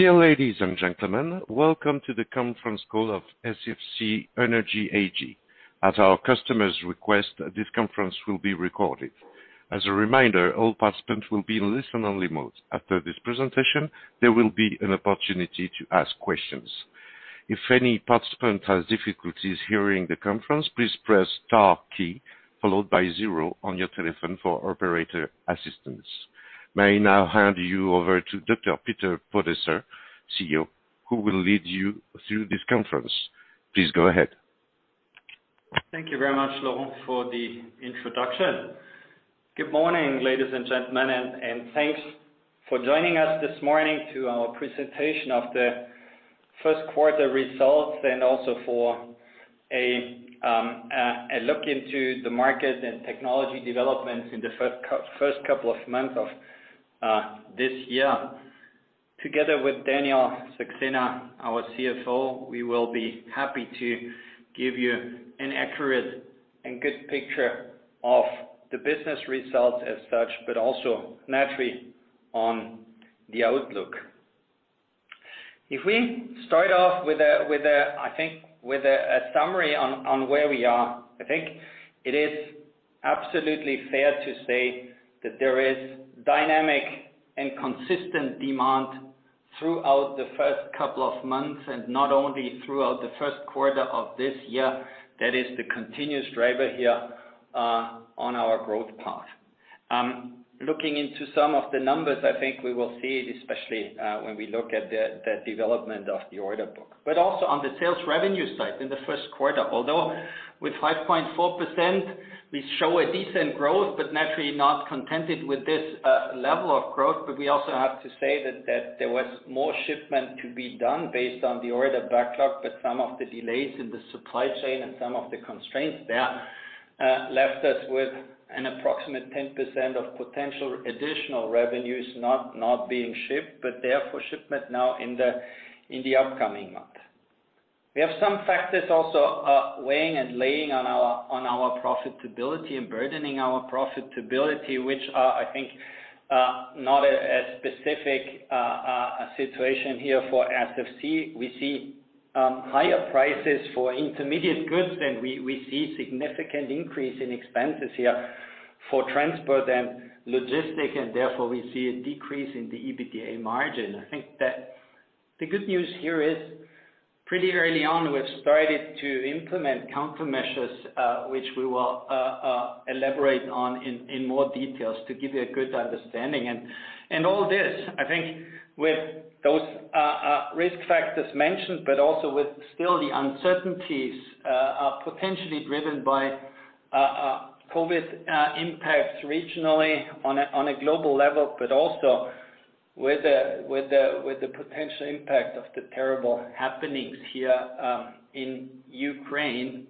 Dear ladies and gentlemen, welcome to the conference call of SFC Energy AG. As our customers request, this conference will be recorded. As a reminder, all participants will be in listen-only mode. After this presentation, there will be an opportunity to ask questions. If any participant has difficulties hearing the conference, please press star key followed by zero on your telephone for operator assistance. I may now hand you over to Dr. Peter Podesser, CEO, who will lead you through this conference. Please go ahead. Thank you very much, Laurent, for the introduction. Good morning, ladies and gentlemen, and thanks for joining us this morning to our presentation of the first quarter results and also for a look into the market and technology developments in the first couple of months of this year. Together with Daniel Saxena, our CFO, we will be happy to give you an accurate and good picture of the business results as such, but also naturally on the outlook. If we start off with a summary on where we are, I think it is absolutely fair to say that there is dynamic and consistent demand throughout the first couple of months, and not only throughout the first quarter of this year. That is the continuous driver here on our growth path. Looking into some of the numbers, I think we will see, especially, when we look at the development of the order book. Also on the sales revenue side in the first quarter. Although with 5.4%, we show a decent growth, but naturally not contented with this level of growth. We also have to say that there was more shipment to be done based on the order backlog, but some of the delays in the supply chain and some of the constraints there left us with an approximate 10% of potential additional revenues not being shipped, but they're for shipment now in the upcoming month. We have some factors also weighing and laying on our profitability and burdening our profitability, which are, I think, not a specific situation here for SFC. We see higher prices for intermediate goods than we see significant increase in expenses here for transport and logistics, and therefore we see a decrease in the EBITDA margin. I think that the good news here is pretty early on, we've started to implement countermeasures, which we will elaborate on in more details to give you a good understanding. All this, I think with those risk factors mentioned, but also with still the uncertainties are potentially driven by COVID impacts regionally on a global level. also with the potential impact of the terrible happenings here in Ukraine.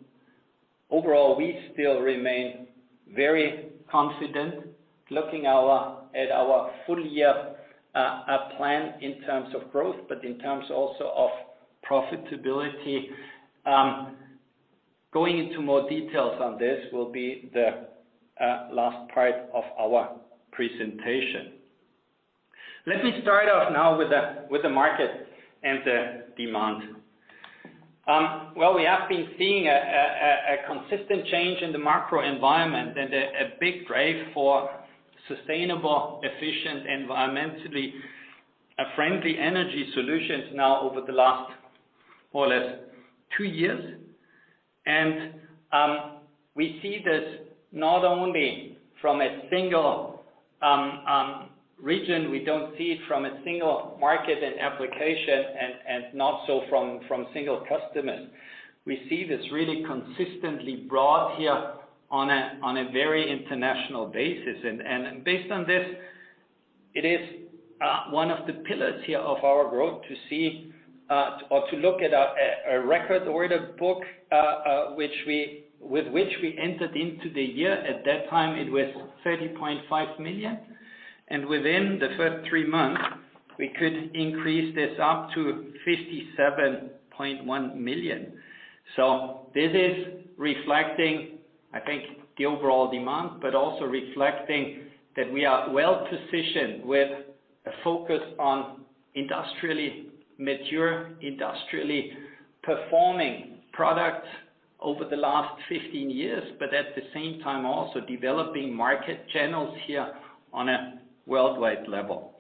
Overall, we still remain very confident looking at our full year plan in terms of growth, but in terms also of profitability. Going into more details on this will be the last part of our presentation. Let me start off now with the market and the demand. We have been seeing a consistent change in the macro environment and a big drive for sustainable, efficient, environmentally friendly energy solutions now over the last, more or less two years. We see this not only from a single region, we don't see it from a single market and application and not so from single customers. We see this really consistently broad here on a very international basis. Based on this, it is one of the pillars here of our growth to see or to look at a record order book, with which we entered into the year. At that time, it was 30.5 million, and within the first three months, we could increase this up to 57.1 million. This is reflecting, I think, the overall demand, but also reflecting that we are well-positioned with a focus on industrially mature, industrially performing products over the last 15 years, but at the same time also developing market channels here on a worldwide level.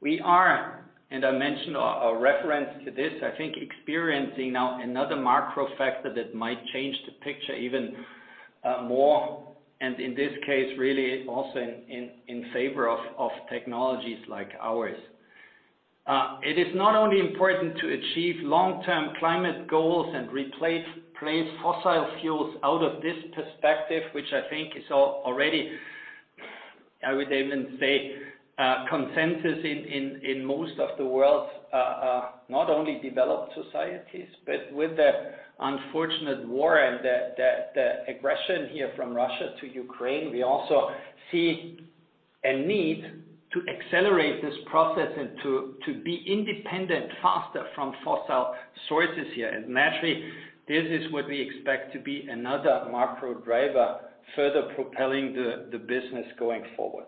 We are, and I mentioned a reference to this, I think, experiencing now another macro factor that might change the picture even more, and in this case, really also in favor of technologies like ours. It is not only important to achieve long-term climate goals and replace fossil fuels out of this perspective, which I think is already, I would even say, consensus in most of the world, not only developed societies, but with the unfortunate war and the aggression here from Russia to Ukraine, we also see a need to accelerate this process to be independent faster from fossil sources here. Naturally, this is what we expect to be another macro driver further propelling the business going forward.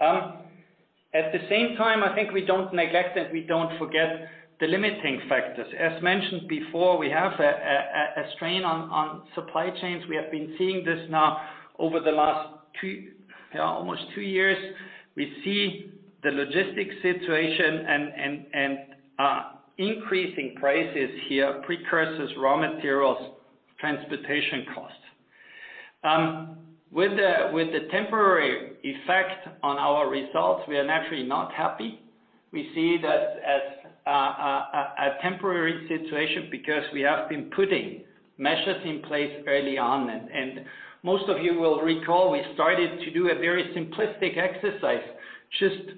At the same time, I think we don't neglect it, we don't forget the limiting factors. As mentioned before, we have a strain on supply chains. We have been seeing this now over the last almost two years. We see the logistics situation and increasing prices here, precursors, raw materials, transportation costs. With the temporary effect on our results, we are naturally not happy. We see that as a temporary situation because we have been putting measures in place early on. Most of you will recall, we started to do a very simplistic exercise, just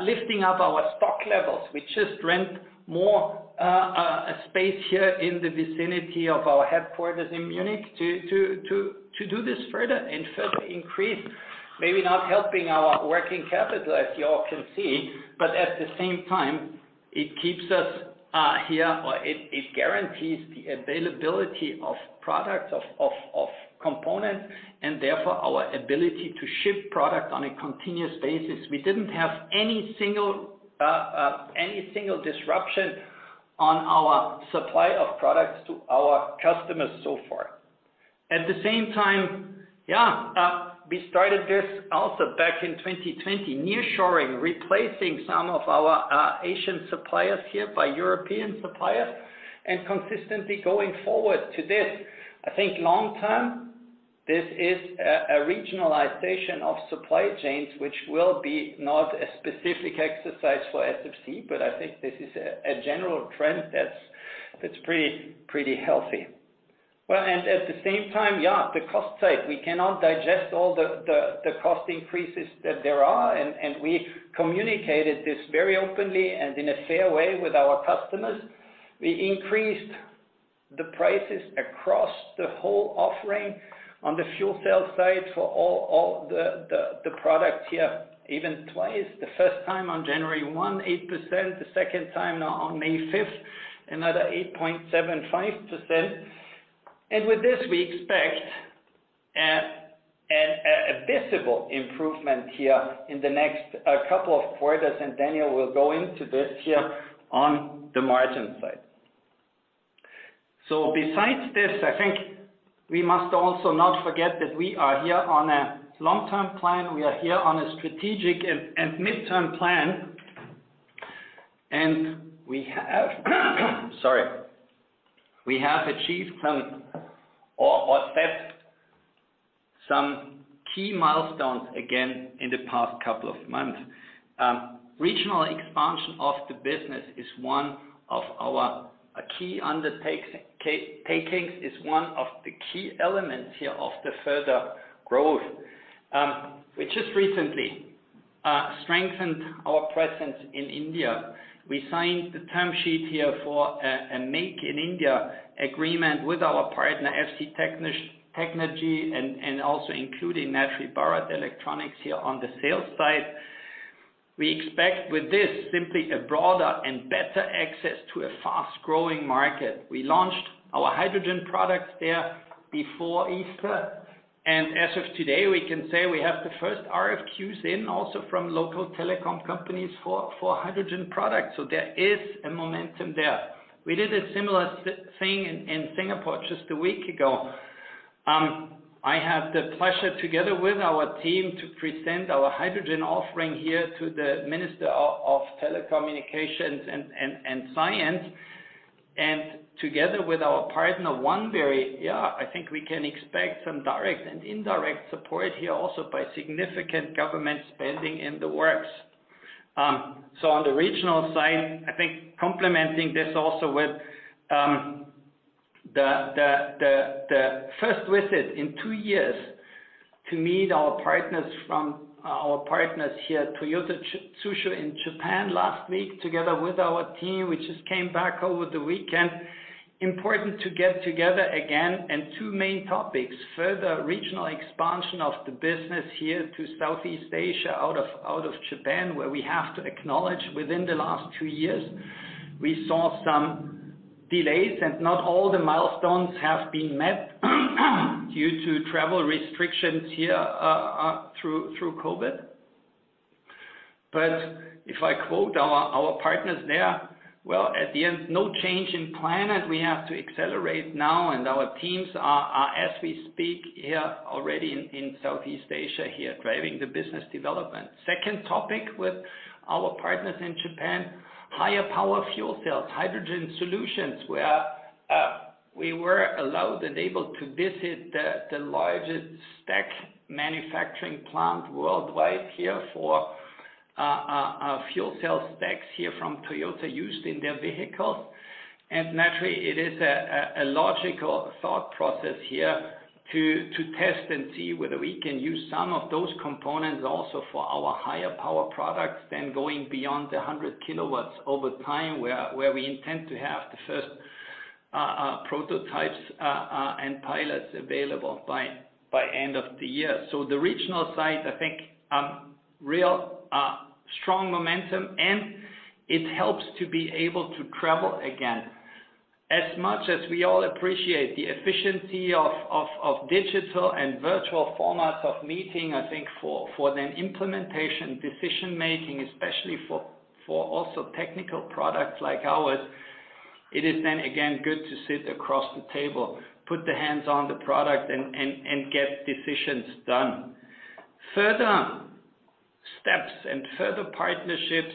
lifting up our stock levels. We just rent more space here in the vicinity of our headquarters in Munich to do this further and further increase, maybe not helping our working capital, as you all can see, but at the same time, it keeps us here, or it guarantees the availability of products, of components, and therefore our ability to ship products on a continuous basis. We didn't have any single disruption on our supply of products to our customers so far. At the same time, we started this also back in 2020, nearshoring, replacing some of our Asian suppliers here by European suppliers, and consistently going forward to this. I think long term, this is a regionalization of supply chains, which will be not a specific exercise for SFC, but I think this is a general trend that's pretty healthy. Well, at the same time, yeah, the cost side, we cannot digest all the cost increases that there are, and we communicated this very openly and in a fair way with our customers. We increased the prices across the whole offering on the fuel cell side for all the products here, even twice. The first time on January 1, 8%, the second time now on May 5th, another 8.75%. With this, we expect a visible improvement here in the next couple of quarters, and Daniel will go into this here on the margin side. Besides this, I think we must also not forget that we are here on a long-term plan. We are here on a strategic and midterm plan. We have achieved some or set some key milestones again in the past couple of months. Regional expansion of the business is one of our key undertakings, is one of the key elements here of the further growth. We just recently strengthened our presence in India. We signed the term sheet here for a Make in India agreement with our partner, FC TecNrgy, and also including naturally Bharat Electronics here on the sales side. We expect with this simply a broader and better access to a fast-growing market. We launched our hydrogen products there before Easter. As of today, we can say we have the first RFQs in also from local telecom companies for hydrogen products. So there is a momentum there. We did a similar thing in Singapore just a week ago. I have the pleasure together with our team to present our hydrogen offering here to the Minister of Telecommunications and Science. Together with our partner, Oneberry, yeah, I think we can expect some direct and indirect support here also by significant government spending in the works. So on the regional side, I think complementing this also with the first visit in two years to meet our partners here at Toyota Tsusho in Japan last week, together with our team, we just came back over the weekend. Important to get together again. Two main topics, further regional expansion of the business here to Southeast Asia, out of Japan, where we have to acknowledge within the last two years we saw some delays, and not all the milestones have been met due to travel restrictions here through COVID. If I quote our partners there, well, at the end, no change in plan, and we have to accelerate now, and our teams are as we speak here already in Southeast Asia here, driving the business development. Second topic with our partners in Japan, higher power fuel cells, hydrogen solutions, where we were allowed and able to visit the largest stack manufacturing plant worldwide here for fuel cell stacks here from Toyota used in their vehicles. Naturally, it is a logical thought process here to test and see whether we can use some of those components also for our higher power products than going beyond the 100 KW over time, where we intend to have the first prototypes and pilots available by end of the year. The regional side, I think, real strong momentum, and it helps to be able to travel again. As much as we all appreciate the efficiency of digital and virtual formats of meeting, I think for the implementation, decision-making, especially for also technical products like ours, it is then again good to sit across the table, put the hands on the product and get decisions done. Further steps and further partnerships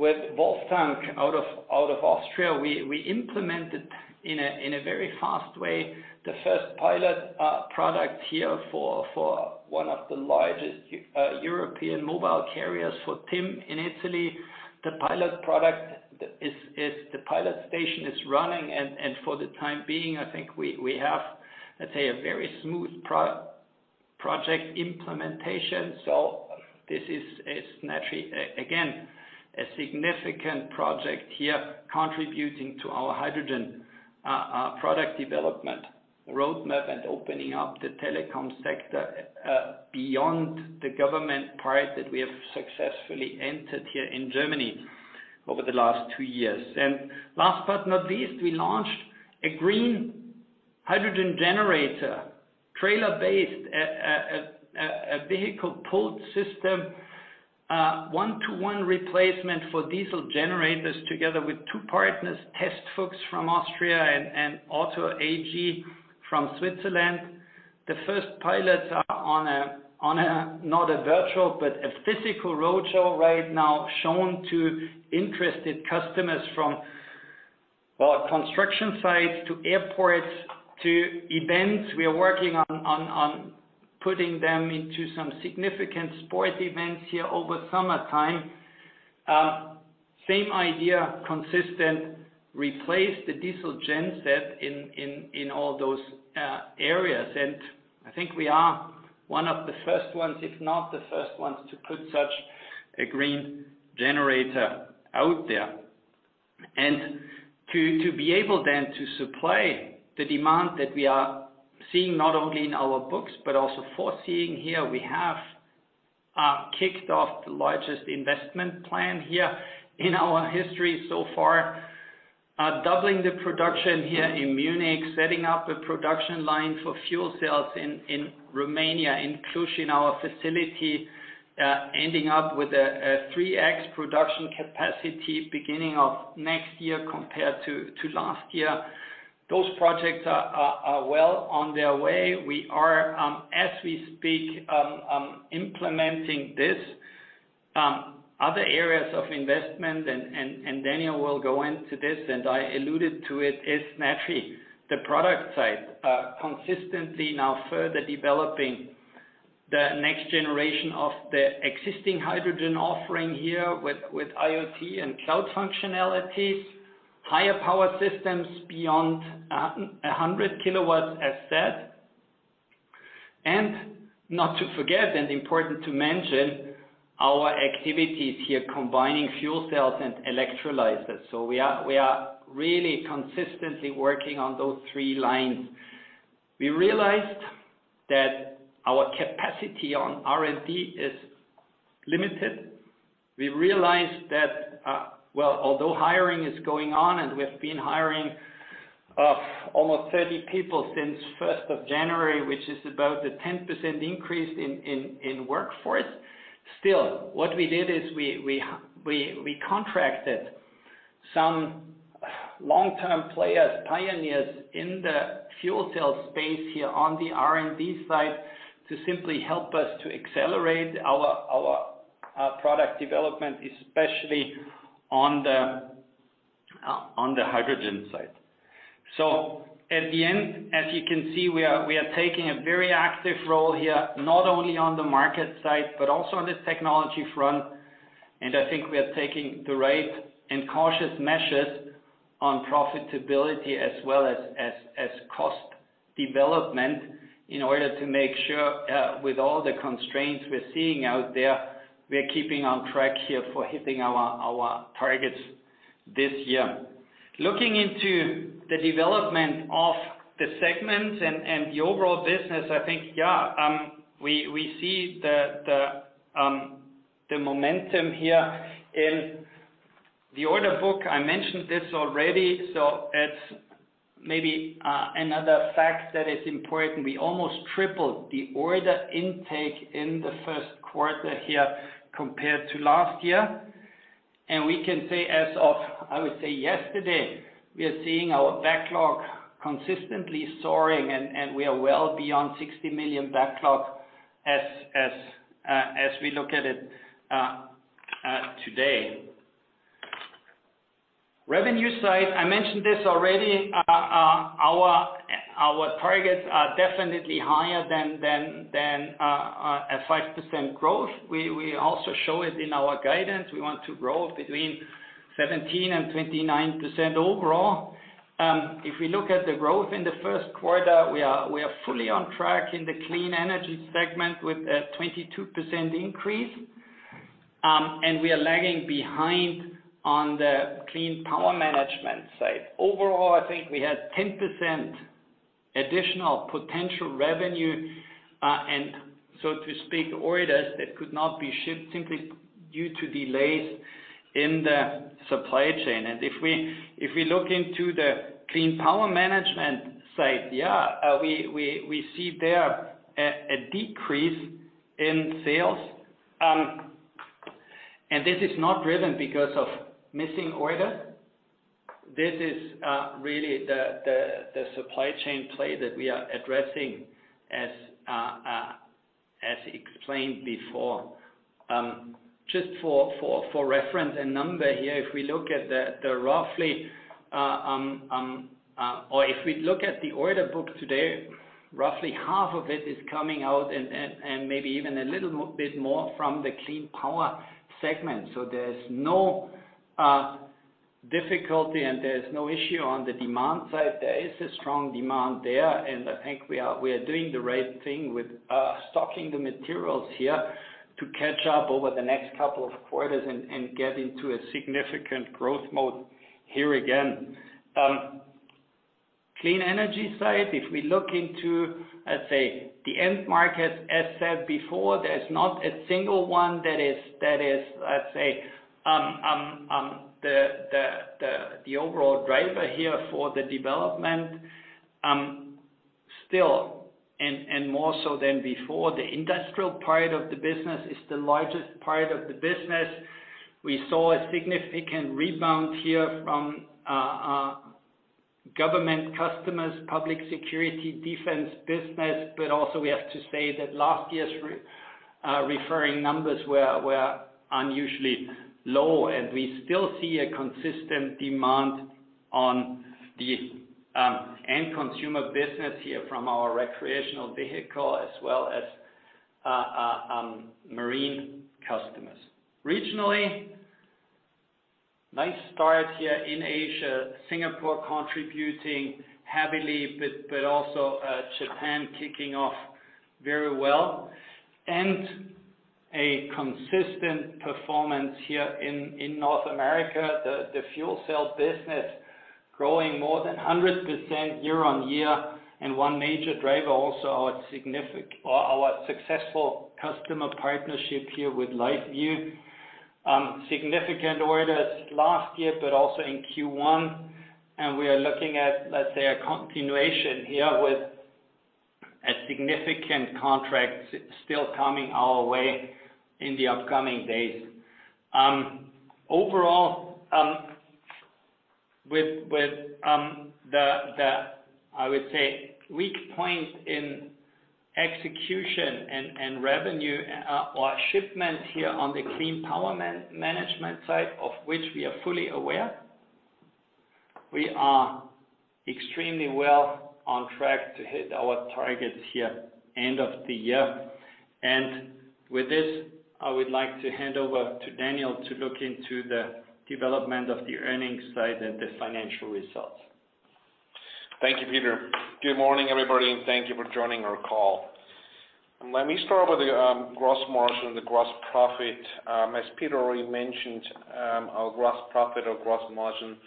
with Wolftank out of Austria, we implemented in a very fast way the first pilot product here for one of the largest European mobile carriers for TIM in Italy. The pilot station is running and for the time being, I think we have, let's say, a very smooth project implementation. This is naturally a significant project here contributing to our hydrogen product development roadmap and opening up the telecom sector beyond the government part that we have successfully entered here in Germany over the last two years. Last but not least, we launched a green hydrogen generator, trailer-based, vehicle pulled system, one-to-one replacement for diesel generators together with two partners, Test-Fuchs from Austria and Otten AG from Switzerland. The first pilots are on a, not a virtual, but a physical roadshow right now, shown to interested customers from, well, construction sites to airports to events. We are working on putting them into some significant sports events here over summertime. Same idea, consistent, replace the diesel genset in all those areas. I think we are one of the first ones, if not the first ones, to put such a green generator out there. To be able then to supply the demand that we are seeing not only in our books, but also foreseeing here, we have kicked off the largest investment plan here in our history so far, doubling the production here in Munich, setting up a production line for fuel cells in Romania, in Cluj, our facility, ending up with a 3x production capacity beginning of next year compared to last year. Those projects are well on their way. We are, as we speak, implementing this. Other areas of investment, and Daniel will go into this, and I alluded to it, is naturally the product side, consistently now further developing the next generation of the existing hydrogen offering here with IoT and cloud functionalities, higher power systems beyond 100 kilowatts as said. Not to forget, important to mention, our activities here combining fuel cells and electrolyzers. We are really consistently working on those three lines. We realized that our capacity on R&D is limited. We realized that although hiring is going on, and we've been hiring almost 30 people since first of January, which is about a 10% increase in workforce, still, what we did is we contracted some long-term players, pioneers in the fuel cell space here on the R&D side to simply help us to accelerate our product development, especially on the hydrogen side. At the end, as you can see, we are taking a very active role here, not only on the market side, but also on the technology front. I think we are taking the right and cautious measures on profitability as well as cost development in order to make sure, with all the constraints we're seeing out there, we're keeping on track here for hitting our targets this year. Looking into the development of the segments and the overall business, I think, yeah, we see the momentum here. In the order book, I mentioned this already, so it's maybe another fact that is important. We almost tripled the order intake in the first quarter here compared to last year. We can say as of, I would say yesterday, we are seeing our backlog consistently soaring, and we are well beyond 60 million backlog as we look at it today. Revenue side, I mentioned this already, our targets are definitely higher than a 5% growth. We also show it in our guidance. We want to grow between 17% and 29% overall. If we look at the growth in the first quarter, we are fully on track in the Clean Energy segment with a 22% increase. We are lagging behind on the Clean Power Management side. Overall, I think we had 10% additional potential revenue, and so to speak, orders that could not be shipped simply due to delays in the supply chain. If we look into the Clean Power Management side, yeah, we see there a decrease in sales. This is not driven because of missing order. This is really the supply chain play that we are addressing as explained before. Just for reference and number here, if we look at the order book today, roughly half of it is coming out and maybe even a little bit more from the clean power segment. There's no difficulty and there's no issue on the demand side. There is a strong demand there, and I think we are doing the right thing with stocking the materials here to catch up over the next couple of quarters and get into a significant growth mode here again. Clean Energy side, if we look into, let's say, the end market, as said before, there's not a single one that is, let's say, the overall driver here for the development. Still, and more so than before, the industrial part of the business is the largest part of the business. We saw a significant rebound here from government customers, public security, defense business, but also we have to say that last year's reference numbers were unusually low. We still see a consistent demand on the end consumer business here from our recreational vehicle as well as marine customers. Regionally, nice start here in Asia, Singapore contributing heavily, but also Japan kicking off very well. A consistent performance here in North America. The fuel cell business growing more than 100% year-on-year, and one major driver also our successful customer partnership here with LiquidView. Significant orders last year, but also in Q1. We are looking at, let's say, a continuation here with a significant contract still coming our way in the upcoming days. Overall, with the, I would say, weak point in execution and revenue or shipment here on the Clean Power Management side of which we are fully aware, we are extremely well on track to hit our targets here at the end of the year. With this, I would like to hand over to Daniel to look into the development of the earnings side and the financial results. Thank you, Peter. Good morning, everybody, and thank you for joining our call. Let me start with the gross margin, the gross profit. As Peter already mentioned, our gross profit or gross margin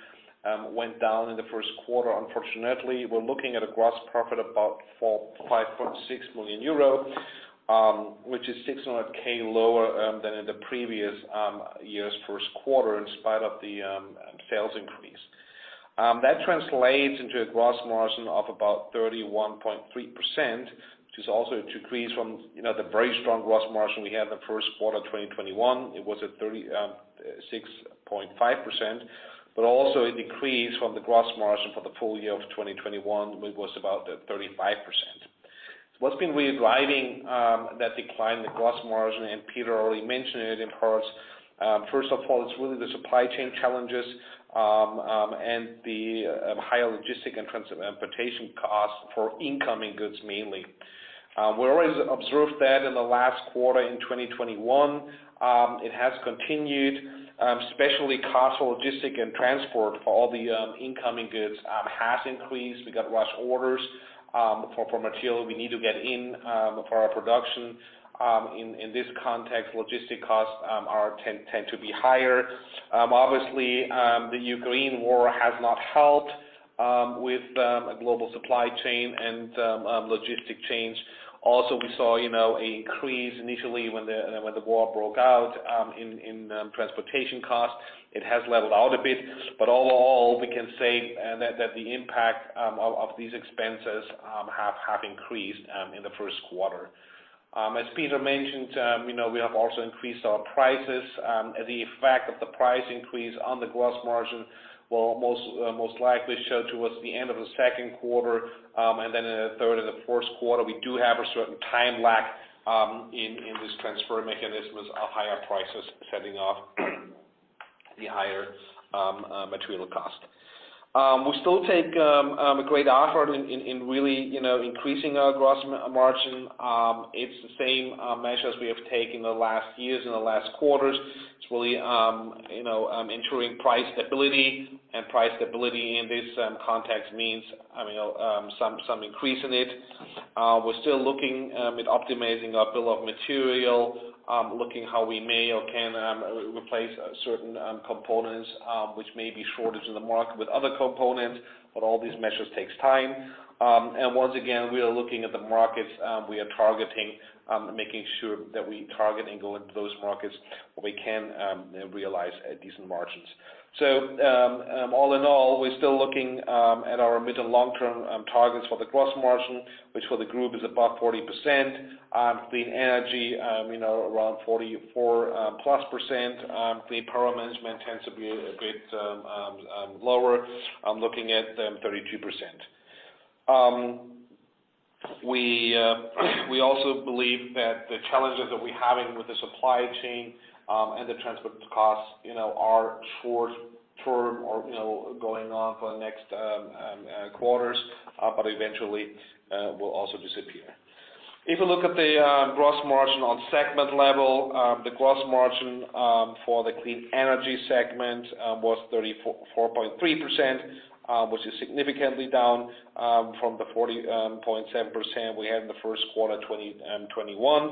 went down in the first quarter unfortunately. We're looking at a gross profit about 5.6 million euro, which is 600,000 lower than in the previous year's first quarter in spite of the sales increase. That translates into a gross margin of about 31.3%, which is also a decrease from, you know, the very strong gross margin we had in the first quarter 2021. It was at 36.5%, but also a decrease from the gross margin for the full year of 2021, which was about at 35%. What's been really driving that decline in the gross margin, and Peter already mentioned it, of course. First of all, it's really the supply chain challenges and the higher logistic and transportation costs for incoming goods mainly. We always observed that in the last quarter in 2021. It has continued, especially cost for logistic and transport for all the incoming goods has increased. We got rush orders for material we need to get in for our production. In this context, logistic costs tend to be higher. Obviously, the Ukraine war has not helped with the global supply chain and logistic chains. Also, we saw, you know, an increase initially when the war broke out in transportation costs. It has leveled out a bit. Overall, we can say that the impact of these expenses have increased in the first quarter. As Peter mentioned, you know, we have also increased our prices. The effect of the price increase on the gross margin will most likely show towards the end of the second quarter, and then in the third and the fourth quarter. We do have a certain time lag in this transfer mechanism as our higher prices setting off the higher material cost. We still take a great effort in really, you know, increasing our gross margin. It's the same measures we have taken the last years and the last quarters. It's really, you know, ensuring price stability, and price stability in this context means, I mean, some increase in it. We're still looking at optimizing our bill of material, looking how we may or can replace certain components, which may be shortage in the market with other components, but all these measures takes time. Once again, we are looking at the markets, we are targeting, making sure that we target and go into those markets where we can realize decent margins. All in all, we're still looking at our mid and long-term targets for the gross margin, which for the group is above 40%. Clean Energy, you know, around 44+%. Clean Power Management tends to be a bit lower, looking at 32%. We also believe that the challenges that we're having with the supply chain and the transport costs, you know, are short-term or, you know, going on for the next quarters, but eventually will also disappear. If you look at the gross margin on segment level, the gross margin for the Clean Energy segment was 34.3%, which is significantly down from the 40.7% we had in the first quarter 2021,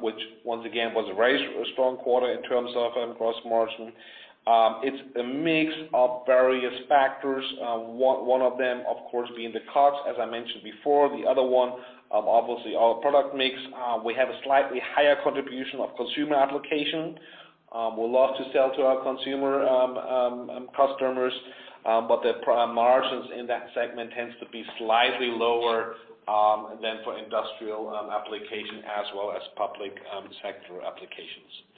which once again, was a very strong quarter in terms of gross margin. It's a mix of various factors. One of them, of course, being the COGS, as I mentioned before. The other one, obviously our product mix. We have a slightly higher contribution of consumer application. We love to sell to our consumer customers, but the margins in that segment tends to be slightly lower than for industrial application as well as public sector applications.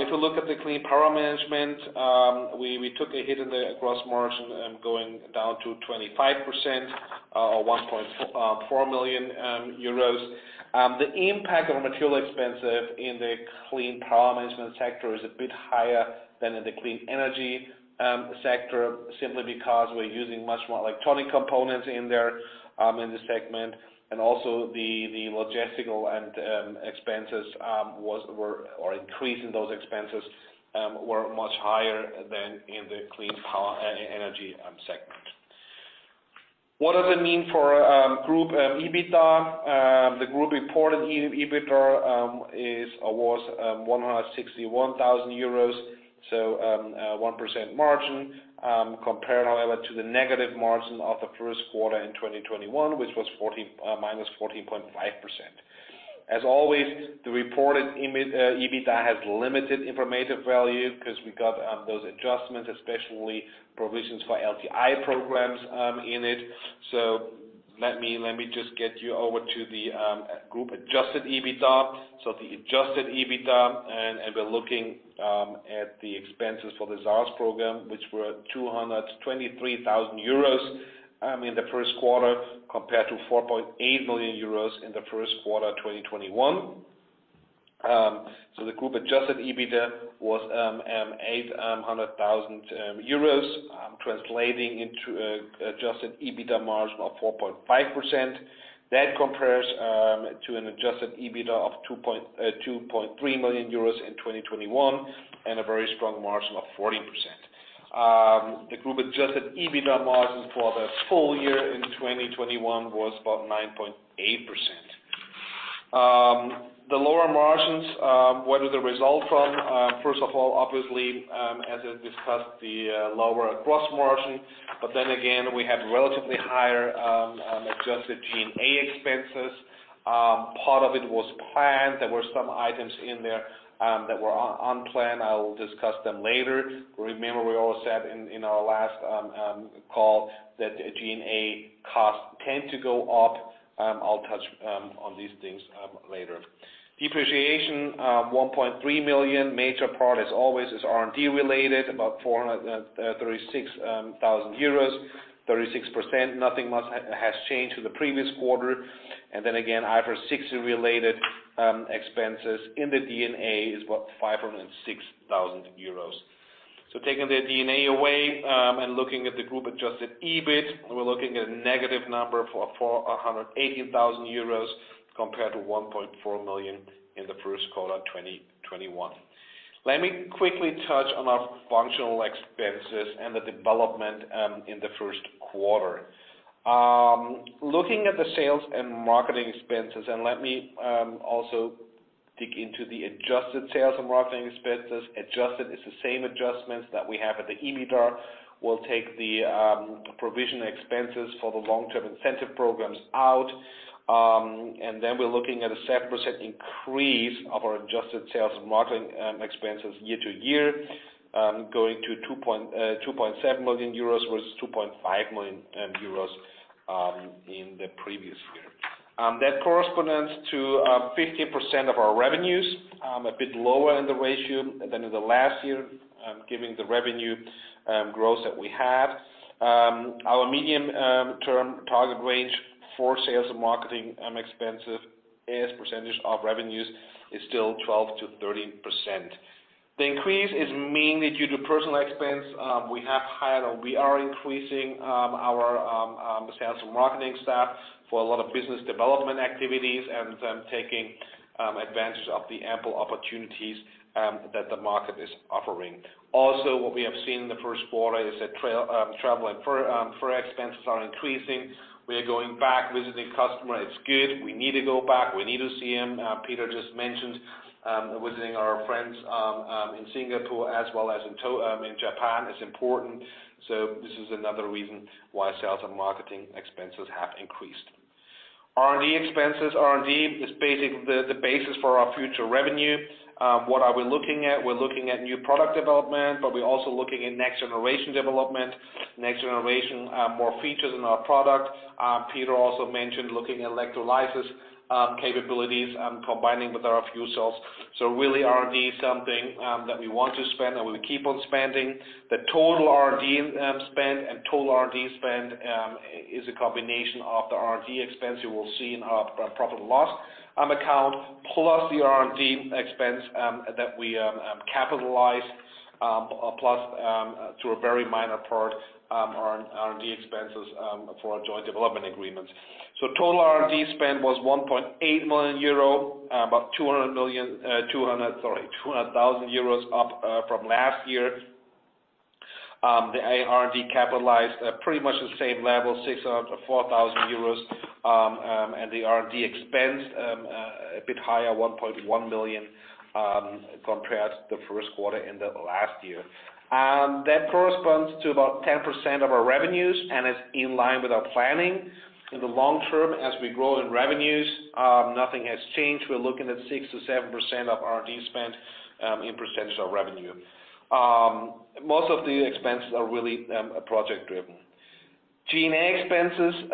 If you look at the Clean Power Management, we took a hit in the gross margin, going down to 25% or 1.4 million euros. The impact of material expenses in the Clean Power Management sector is a bit higher than in the Clean Energy sector, simply because we're using much more electronic components in there in the segment. The logistical and expenses or increase in those expenses were much higher than in the Clean Energy segment. What does it mean for group EBITDA? The group reported EBITDA was 161,000 euros, so, a 1% margin, compared however to the negative margin of the first quarter in 2021, which was minus 14.5%. As always, the reported EBITDA has limited informative value 'cause we got those adjustments, especially provisions for LTI programs, in it. Let me just get you over to the group adjusted EBITDA. The adjusted EBITDA, we're looking at the expenses for the SARs program, which were 223 thousand euros in the first quarter, compared to 4.8 million euros in the first quarter 2021. The group adjusted EBITDA was 800 thousand euros, translating into an adjusted EBITDA margin of 4.5%. That compares to an adjusted EBITDA of 2.3 million euros in 2021, and a very strong margin of 40%. The group adjusted EBITDA margins for the full year in 2021 was about 9.8%. The lower margins, what are the result from? First of all, obviously, as I discussed, the lower gross margin. Then again, we have relatively higher adjusted G&A expenses. Part of it was planned. There were some items in there that were unplanned. I will discuss them later. Remember, we also said in our last call that the G&A costs tend to go up. I'll touch on these things later. Depreciation, 1.3 million. Major part, as always, is R&D related, about 436,000 euros 36%. Nothing much has changed to the previous quarter. Then again, IFRS 16 related expenses in the G&A is about 506,000 euros. Taking the G&A away and looking at the group adjusted EBIT, we're looking at a negative number for 480,000 euros compared to 1.4 million in the first quarter 2021. Let me quickly touch on our functional expenses and the development in the first quarter. Looking at the sales and marketing expenses, and let me also dig into the adjusted sales and marketing expenses. Adjusted is the same adjustments that we have at the EBITDA. We'll take the provision expenses for the long-term incentive programs out. We're looking at a 7% increase of our adjusted sales and marketing expenses year-over-year, going to 2.7 million euros versus 2.5 million euros in the previous year. That corresponds to 15% of our revenues, a bit lower in the ratio than in the last year, given the revenue growth that we have. Our medium-term target range for sales and marketing expenses as percentage of revenues is still 12%-13%. The increase is mainly due to personnel expense. We have hired or we are increasing our sales and marketing staff for a lot of business development activities and then taking advantage of the ample opportunities that the market is offering. Also, what we have seen in the first quarter is that travel and further expenses are increasing. We are going back visiting customer. It's good. We need to go back. We need to see him. Peter just mentioned visiting our friends in Singapore as well as in Japan is important. This is another reason why sales and marketing expenses have increased. R&D expenses. R&D is basically the basis for our future revenue. What are we looking at? We're looking at new product development, but we're also looking at next generation development. Next generation more features in our product. Peter also mentioned looking at electrolysis capabilities and combining with our fuel cells. Really R&D is something that we want to spend and we keep on spending. The total R&D spend is a combination of the R&D expense you will see in our profit and loss account, plus the R&D expense that we capitalize, plus to a very minor part R&D expenses for our joint development agreements. Total R&D spend was 1.8 million euro, about 200,000 euros up from last year. The R&D capitalized pretty much the same level, 604,000 euros, and the R&D expense a bit higher, 1.1 million, compared to the first quarter in the last year. That corresponds to about 10% of our revenues, and it's in line with our planning. In the long term, as we grow in revenues, nothing has changed. We're looking at 6%-7% of R&D spend in percentage of revenue. Most of the expenses are really project-driven. G&A expenses,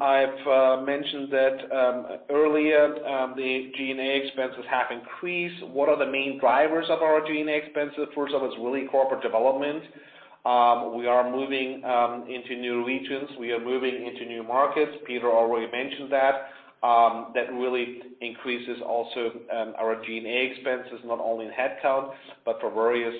I've mentioned that earlier, the G&A expenses have increased. What are the main drivers of our G&A expenses? First of all, it's really corporate development. We are moving into new regions. We are moving into new markets. Peter already mentioned that. That really increases also our G&A expenses, not only in headcount, but for various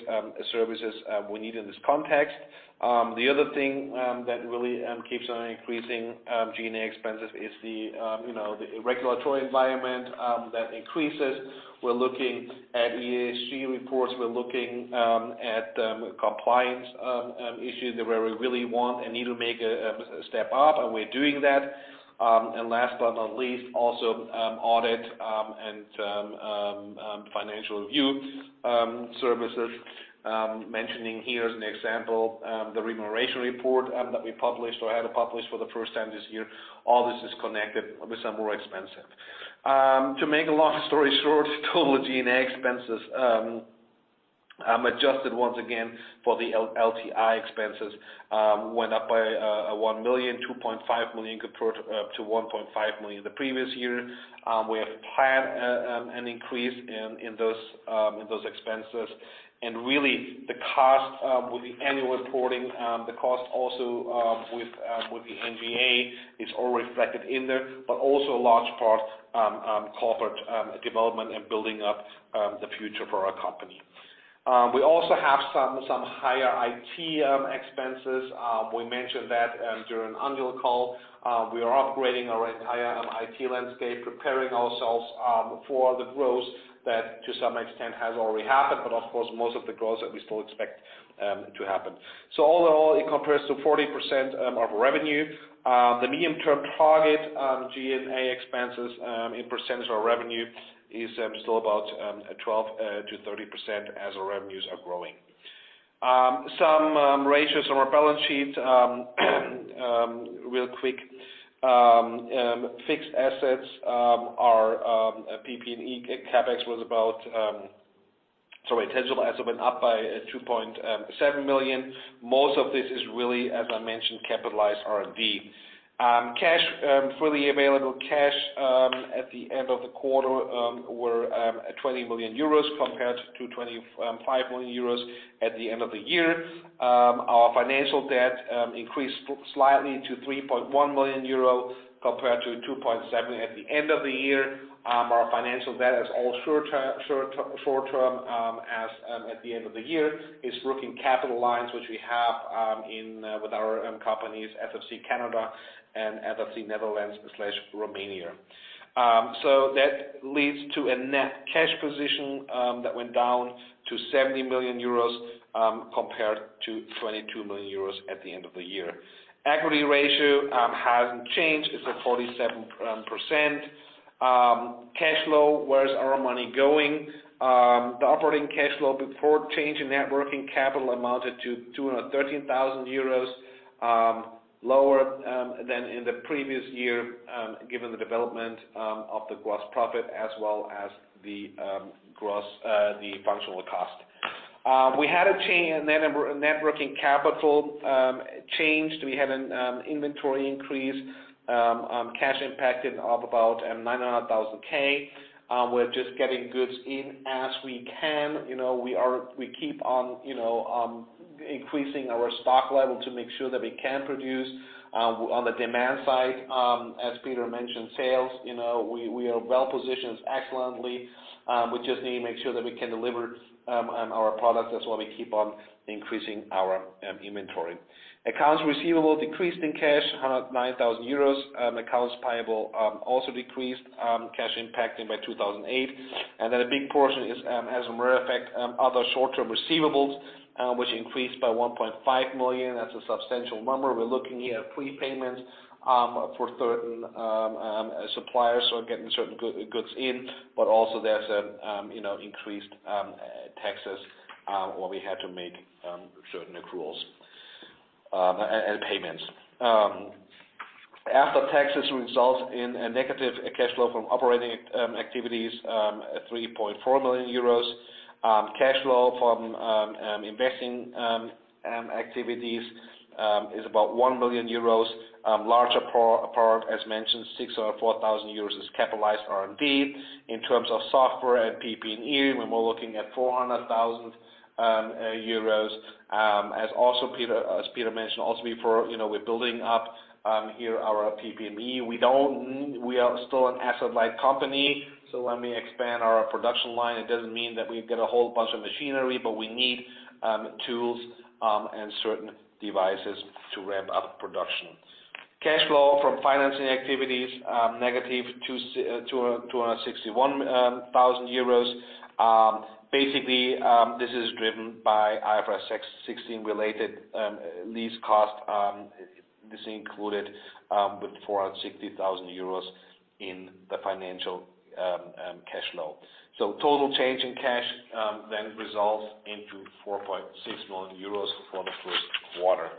services we need in this context. The other thing that really keeps on increasing G&A expenses is the, you know, the regulatory environment that increases. We're looking at ESG reports. We're looking at compliance issues where we really want and need to make a step up, and we're doing that. Last but not least, also audit and financial review services, mentioning here as an example the remuneration report that we published or had to publish for the first time this year. All this is connected with some more expenses. To make a long story short, total G&A expenses, adjusted once again for the LTI expenses, went up by 1 million, 2.5 million compared to 1.5 million the previous year. We have planned an increase in those expenses. Really the cost with the annual reporting, the cost also with the HV, it's all reflected in there, but also a large part corporate development and building up the future for our company. We also have some higher IT expenses. We mentioned that during annual call. We are upgrading our entire IT landscape, preparing ourselves for the growth that to some extent has already happened, but of course, most of the growth that we still expect to happen. All in all, it compares to 40% of revenue. The medium-term target, G&A expenses in percentage of revenue is still about 12%-13% as our revenues are growing. Some ratios on our balance sheet, real quick. Fixed assets are PP&E. Tangible assets went up by 2.7 million. Most of this is really, as I mentioned, capitalized R&D. Freely available cash at the end of the quarter was 20 million euros compared to 5 million euros at the end of the year. Our financial debt increased slightly to 3.1 million euros compared to 2.7 million euros at the end of the year. Our financial debt is all short-term, as at the end of the year. It's working capital lines, which we have in with our companies, SFC Canada and SFC Netherlands/Romania. That leads to a net cash position that went down to 70 million euros compared to 22 million euros at the end of the year. Equity ratio hasn't changed. It's at 47%. Cash flow, where is our money going? The operating cash flow before change in net working capital amounted to 213,000 euros, lower than in the previous year, given the development of the gross profit as well as the functional cost. We had a net working capital changed. We had an inventory increase, cash impacted of about 900,000. We're just getting goods in as we can. You know, we keep on, you know, increasing our stock level to make sure that we can produce on the demand side. As Peter mentioned, sales, you know, we are well-positioned excellently. We just need to make sure that we can deliver our products. That's why we keep on increasing our inventory. Accounts receivable decreased, impacting cash by 109,000 euros. Accounts payable also decreased, impacting cash by 2,008. A big portion has a carryover effect, other short-term receivables, which increased by 1.5 million. That's a substantial number. We're looking here at prepayments for certain suppliers who are getting certain goods in, but also there's, you know, increased taxes where we had to make certain accruals and payments. After taxes result in a negative cash flow from operating activities at 3.4 million euros. Cash flow from investing activities is about 1 million euros, larger part, as mentioned, 604,000 euros is capitalized R&D. In terms of software and PP&E, when we're looking at 400,000 euros, as Peter mentioned before, you know, we're building up here our PP&E. We are still an asset-light company, so when we expand our production line, it doesn't mean that we get a whole bunch of machinery, but we need tools and certain devices to ramp up production. Cash flow from financing activities, negative 261 thousand euros. Basically, this is driven by IFRS 16-related lease cost. This included with 460,000 euros in the financial cash flow. Total change in cash then results into 4.6 million euros for the first quarter.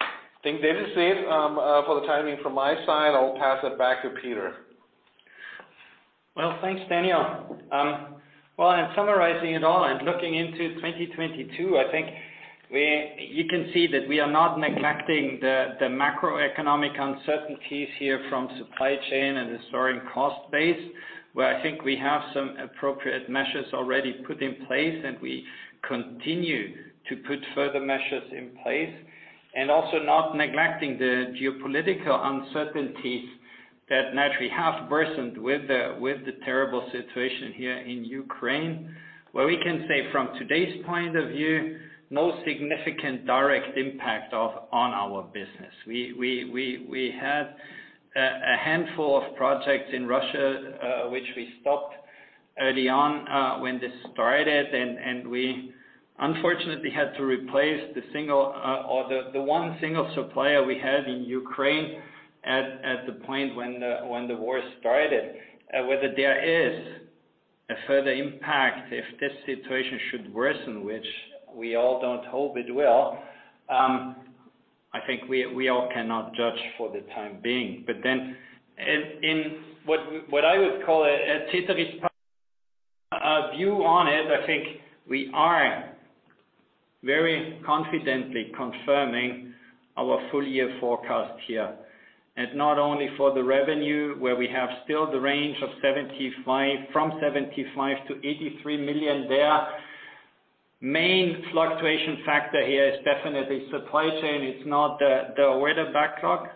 I think that is it for the time being from my side. I will pass it back to Peter. Well, thanks, Daniel. In summarizing it all and looking into 2022, I think you can see that we are not neglecting the macroeconomic uncertainties here from supply chain and the soaring cost base, where I think we have some appropriate measures already put in place, and we continue to put further measures in place, and also not neglecting the geopolitical uncertainties that naturally have worsened with the terrible situation here in Ukraine, where we can say from today's point of view, no significant direct impact on our business. We had a handful of projects in Russia, which we stopped early on, when this started, and we unfortunately had to replace the single or the one single supplier we had in Ukraine at the point when the war started. Whether there is a further impact if this situation should worsen, which we all don't hope it will, I think we all cannot judge for the time being. In what I would call a Tetris view on it, I think we are very confidently confirming our full year forecast here. Not only for the revenue, where we have still the range from 75 million-83 million there. Main fluctuation factor here is definitely supply chain. It's not the order backlog.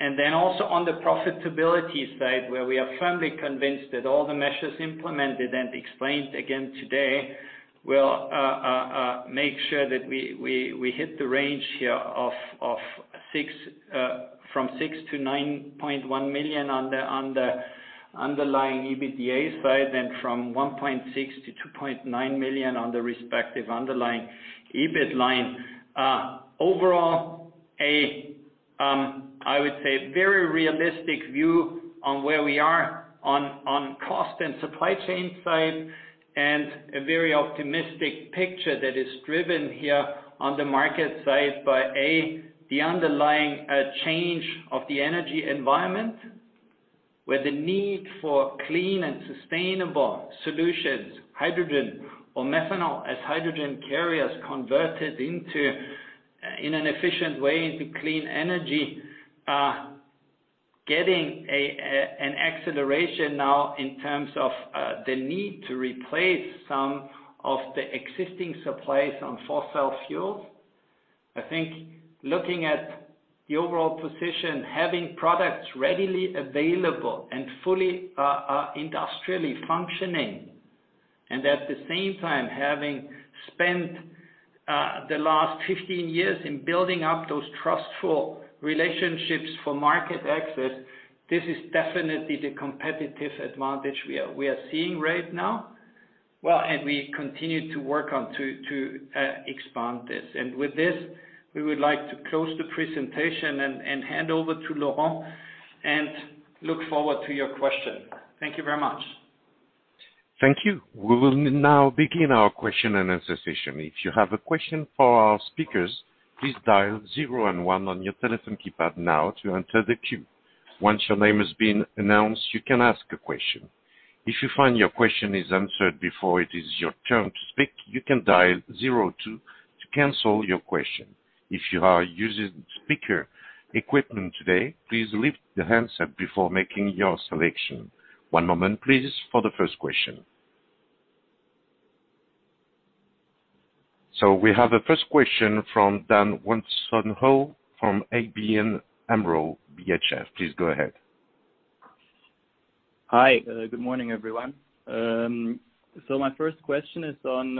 Also on the profitability side, where we are firmly convinced that all the measures implemented and explained again today will make sure that we hit the range here from 6 million-9.1 million on the underlying EBITDA side, and from 1.6 million-2.9 million on the respective underlying EBIT line. Overall, I would say, very realistic view on where we are on cost and supply chain side, and a very optimistic picture that is driven here on the market side by the underlying change of the energy environment, where the need for clean and sustainable solutions, hydrogen or methanol as hydrogen carriers converted into in an efficient way into clean energy, getting an acceleration now in terms of the need to replace some of the existing supplies on fossil fuels. I think looking at the overall position, having products readily available and fully industrially functioning, and at the same time, having spent the last 15 years in building up those trustful relationships for market access, this is definitely the competitive advantage we are seeing right now. Well, we continue to work on to expand this. With this, we would like to close the presentation and hand over to Laurent, and look forward to your questions. Thank you very much. Thank you. We will now begin our question and answer session. If you have a question for our speakers, please dial zero and one on your telephone keypad now to enter the queue. Once your name has been announced, you can ask a question. If you find your question is answered before it is your turn to speak, you can dial zero-two to cancel your question. If you are using speaker equipment today, please lift the handset before making your selection. One moment, please, for the first question. We have a first question from Usama Tariq from ODDO BHF. Please go ahead. Hi. Good morning, everyone. My first question is on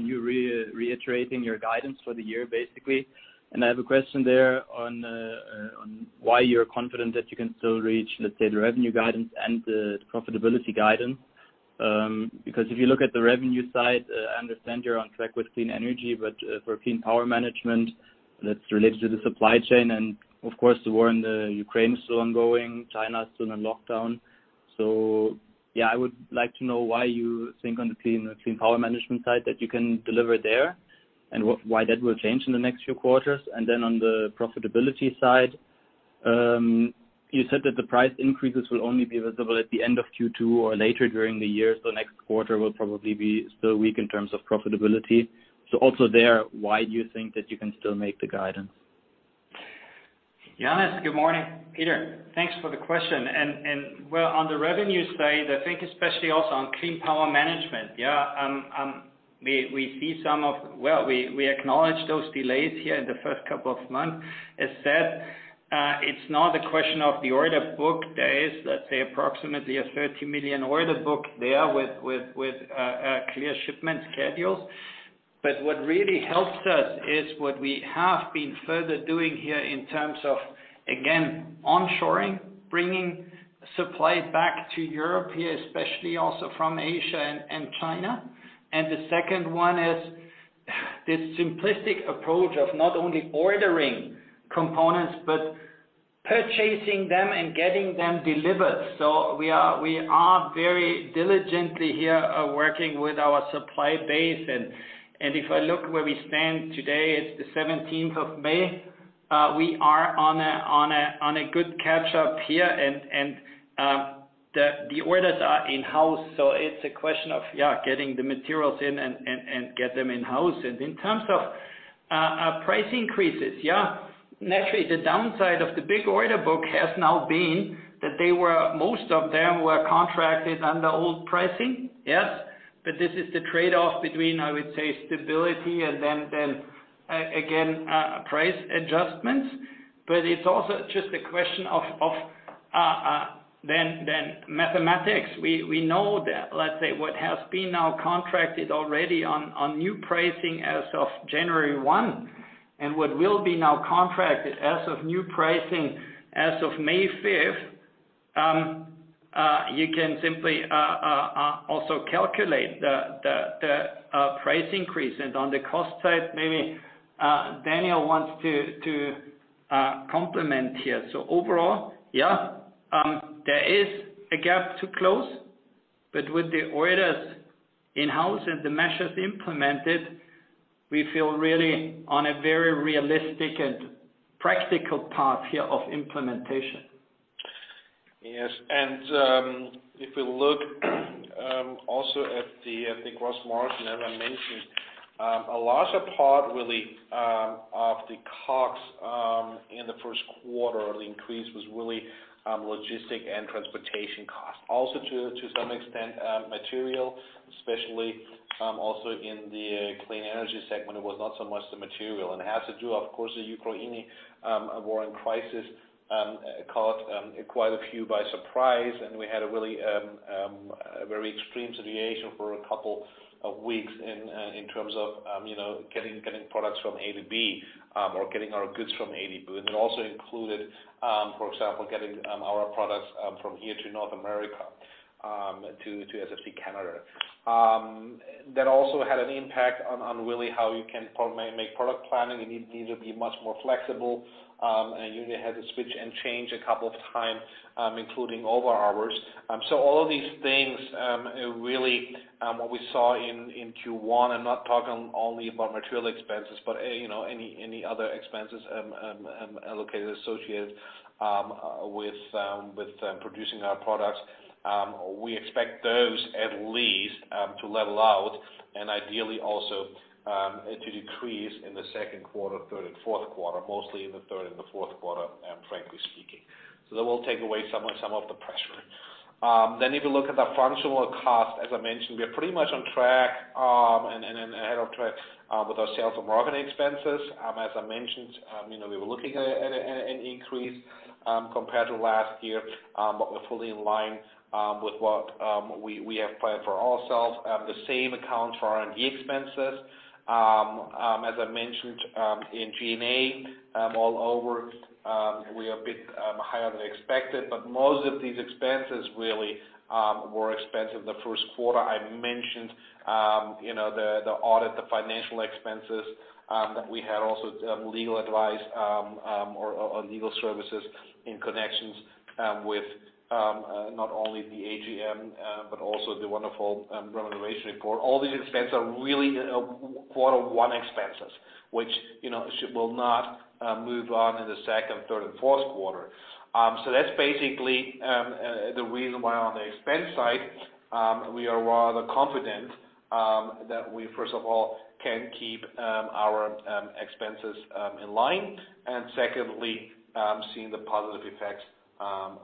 you reiterating your guidance for the year, basically. I have a question there on why you're confident that you can still reach, let's say, the revenue guidance and the profitability guidance. Because if you look at the revenue side, I understand you're on track with Clean Energy, but for Clean Power Management that's related to the supply chain, and of course, the war in the Ukraine is still ongoing. China is still in lockdown. I would like to know why you think on the Clean Power Management side that you can deliver there, and why that will change in the next few quarters? Then on the profitability side, you said that the price increases will only be visible at the end of Q2 or later during the year, so next quarter will probably be still weak in terms of profitability. Also there, why do you think that you can still make the guidance? Johannes, good morning. Peter, thanks for the question. On the revenue side, I think especially also on Clean Power Management, we acknowledge those delays here in the first couple of months. As said, it's not a question of the order book. There is, let's say, approximately a 30 million order book there with clear shipment schedules. What really helps us is what we have been further doing here in terms of, again, onshoring, bringing supply back to Europe here, especially also from Asia and China. The second one is this simplistic approach of not only ordering components, but purchasing them and getting them delivered. We are very diligently here working with our supply base. If I look where we stand today, it's the 17th of May, we are on a good catch-up here and the orders are in-house, so it's a question of, yeah, getting the materials in and get them in-house. In terms of price increases, yeah, naturally, the downside of the big order book has now been that most of them were contracted under old pricing, yes. This is the trade-off between, I would say, stability and again price adjustments. It's also just a question of then mathematics. We know that, let's say, what has been now contracted already on new pricing as of January 1 and what will be now contracted as of new pricing as of May 5th, you can simply also calculate the price increase. On the cost side, maybe Daniel wants to complement here. Overall, there is a gap to close, but with the orders in-house and the measures implemented, we feel really on a very realistic and practical path here of implementation. Yes. If we look also at the gross margin, as I mentioned, a larger part really of the costs in the first quarter, the increase was really logistics and transportation costs. Also to some extent, materials, especially also in the Clean Energy segment, it was not so much the materials. It has to do, of course, the Ukraine war and crisis caught quite a few by surprise, and we had a really a very extreme situation for a couple of weeks in terms of, you know, getting products from A to B, or getting our goods from A to B. It also included, for example, getting our products from here to North America, to SFC Canada. That also had an impact on really how you can make product planning. You need to be much more flexible, and you had to switch and change a couple of times, including over hours. All of these things, really, what we saw in Q1, I'm not talking only about material expenses, but you know, any other expenses allocated, associated with producing our products. We expect those at least to level out and ideally also to decrease in the second quarter, third and fourth quarter, mostly in the third and the fourth quarter, frankly speaking. That will take away some of the pressure. If you look at the functional cost, as I mentioned, we are pretty much on track and ahead of track with our sales and marketing expenses. As I mentioned, you know, we were looking at an increase compared to last year, but we're fully in line with what we have planned for ourselves. The same applies for R&D expenses. As I mentioned, in G&A overall, we are a bit higher than expected, but most of these expenses really were expensed in the first quarter. I mentioned, you know, the audit, the financial expenses, that we had also legal advice or legal services in connection with not only the AGM, but also the wonderful remuneration report. All these expenses are really, you know, first quarter expenses, which, you know, will not move on in the second, third and fourth quarter. That's basically the reason why on the expense side, we are rather confident that we, first of all, can keep our expenses in line, and secondly, seeing the positive effects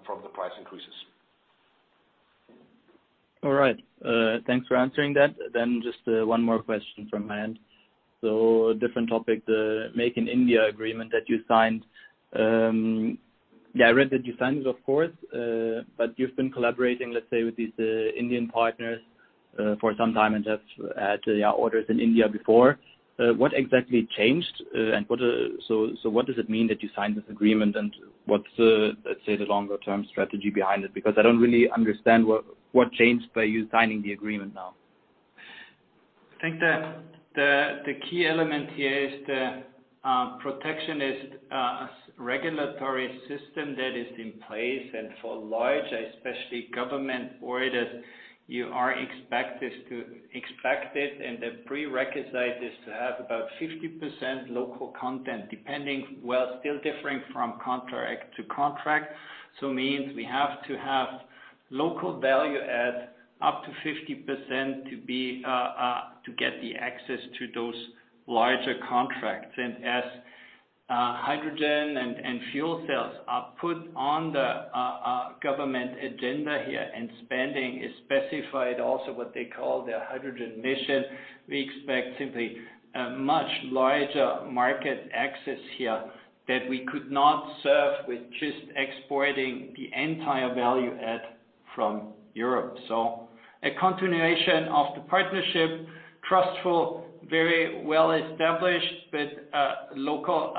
from the price increases. All right. Thanks for answering that. Just one more question from my end. Different topic, the Make in India agreement that you signed. Yeah, I read the details, of course, but you've been collaborating, let's say, with these Indian partners for some time and have had, yeah, orders in India before. What exactly changed? And what does it mean that you signed this agreement, and what's the, let's say, the longer-term strategy behind it? Because I don't really understand what changed by you signing the agreement now. I think the key element here is the protectionist regulatory system that is in place. For large, especially government orders, you are expected and the prerequisite is to have about 50% local content, depending, still differing from contract to contract. That means we have to have local value add up to 50% to get the access to those larger contracts. As hydrogen and fuel cells are put on the government agenda here and spending is specified also what they call their hydrogen mission, we expect simply a much larger market access here that we could not serve with just exporting the entire value add from Europe. A continuation of the partnership, trustful, very well established, with local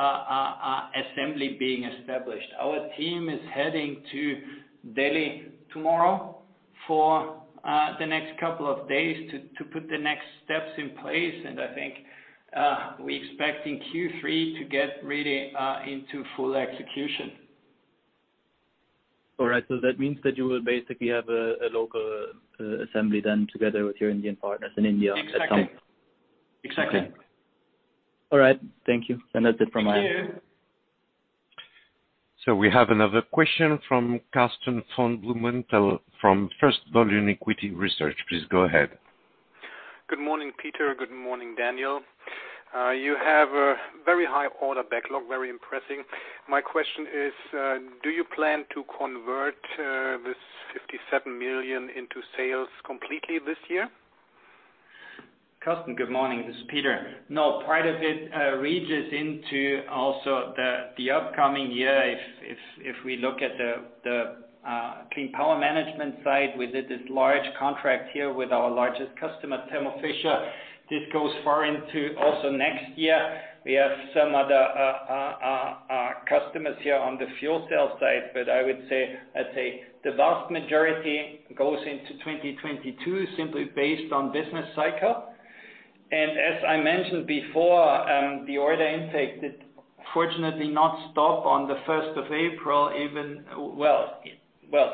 assembly being established. Our team is heading to Delhi tomorrow for the next couple of days to put the next steps in place. I think we expect in Q3 to get really into full execution. All right. That means that you will basically have a local assembly then together with your Indian partners in India at some- Exactly. Exactly. All right. Thank you. That's it from my end. Thank you. We have another question from Karsten von Blumenthal from First Berlin Equity Research. Please go ahead. Good morning, Peter. Good morning, Daniel. You have a very high order backlog, very impressive. My question is, do you plan to convert this 57 million into sales completely this year? Karsten, good morning. This is Peter. No, part of it reaches into also the upcoming year. If we look at the clean power management side, we did this large contract here with our largest customer, Thermo Fisher. This goes far into also next year. We have some other customers here on the fuel cell side, but I would say, I'd say the vast majority goes into 2022 simply based on business cycle. As I mentioned before, the order intake did fortunately not stop on the first of April even. Well,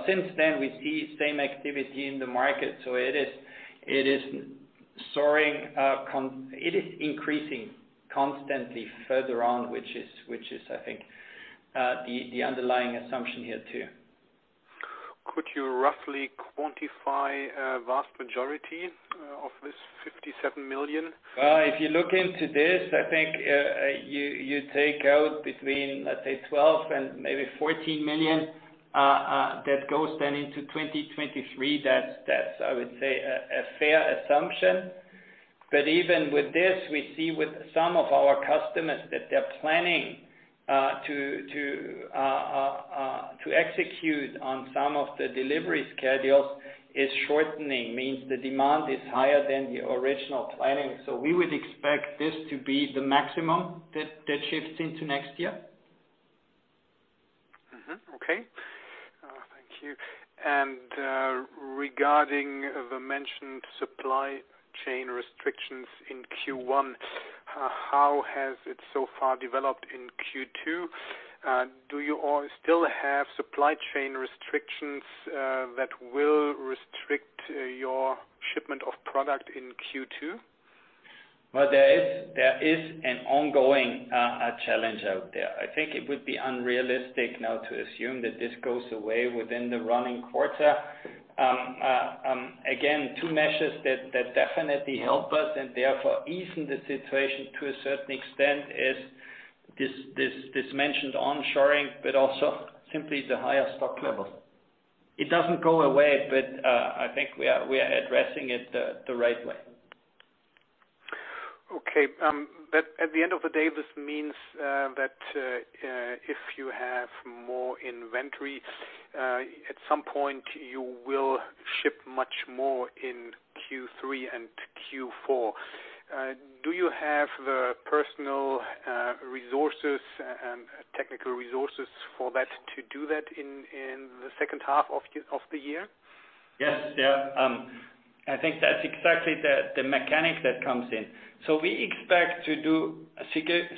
since then, we see same activity in the market, so it is soaring. It is increasing constantly further on, which is, I think, the underlying assumption here too. Could you roughly quantify vast majority of this 57 million? If you look into this, I think, you take out between, let's say, 12 million and maybe 14 million, that goes then into 2023. That's, I would say, a fair assumption. Even with this, we see with some of our customers that they're planning to execute on some of the delivery schedules is shortening, means the demand is higher than the original planning. We would expect this to be the maximum that shifts into next year. Okay. Thank you. Regarding the mentioned supply chain restrictions in Q1, how has it so far developed in Q2? Do you still have supply chain restrictions that will restrict your shipment of product in Q2? Well, there is an ongoing challenge out there. I think it would be unrealistic now to assume that this goes away within the running quarter. Again, two measures that definitely help us and therefore easing the situation to a certain extent is this mentioned onshoring, but also simply the higher stock level. It doesn't go away, but I think we are addressing it the right way. Okay. At the end of the day, this means that if you have more inventory at some point you will ship much more in Q3 and Q4. Do you have the personal resources and technical resources for that to do that in the second half of the year? Yes. Yeah. I think that's exactly the mechanic that comes in. We expect to do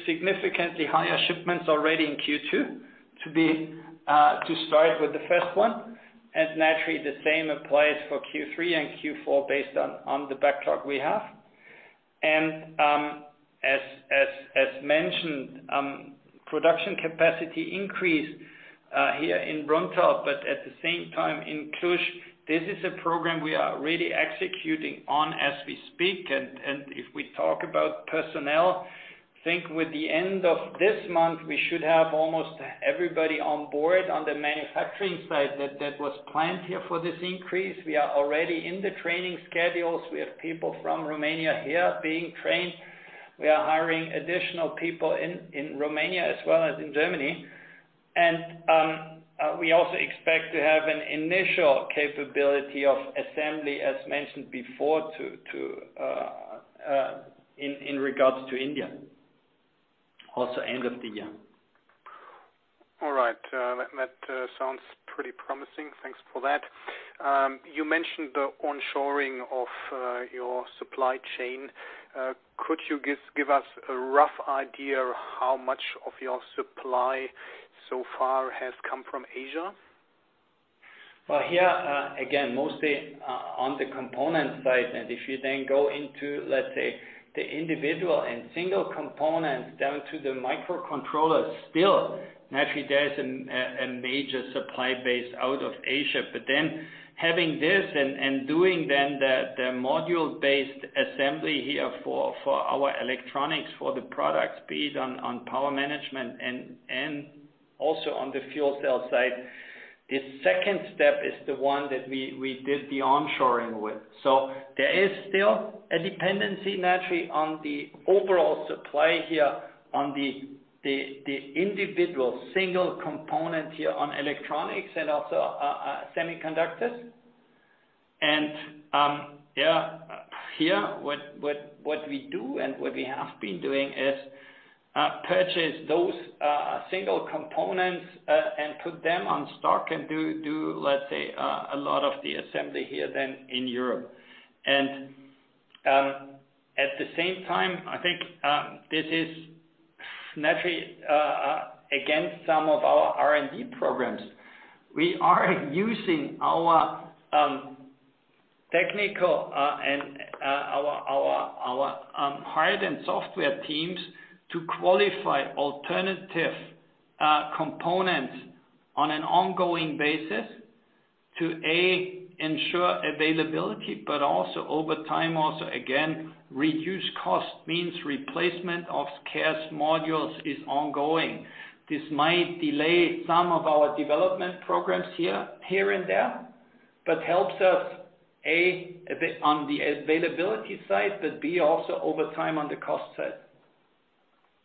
significantly higher shipments already in Q2 to start with the first one, and naturally the same applies for Q3 and Q4 based on the backlog we have. As mentioned, production capacity increase here in Brunnthal, but at the same time in Cluj. This is a program we are really executing on as we speak. If we talk about personnel, I think with the end of this month, we should have almost everybody on board on the manufacturing side that was planned here for this increase. We are already in the training schedules. We have people from Romania here being trained. We are hiring additional people in Romania as well as in Germany. we also expect to have an initial capability of assembly, as mentioned before, in regards to India, also end of the year. Right. That sounds pretty promising. Thanks for that. You mentioned the onshoring of your supply chain. Could you give us a rough idea how much of your supply so far has come from Asia? Well, here, again, mostly on the component side. If you then go into, let's say, the individual and single components down to the microcontrollers, still naturally there's a major supply base out of Asia. Then having this and doing then the module-based assembly here for our electronics, for the product side on power management and also on the fuel cell side, this second step is the one that we did the onshoring with. There is still a dependency naturally on the overall supply here on the individual single component here on electronics and also semiconductors. What we do and what we have been doing is purchase those single components and put them on stock and do, let's say, a lot of the assembly here in Europe. At the same time, I think this is naturally alongside some of our R&D programs. We are using our technical and our hardware and software teams to qualify alternative components on an ongoing basis to A, ensure availability, but also over time also again reduce costs, meaning replacement of scarce modules is ongoing. This might delay some of our development programs here and there, but helps us A, a bit on the availability side, but B, also over time on the cost side.